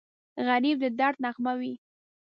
غریب د درد نغمه وي